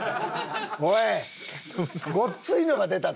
おいごっついのが出たぞ。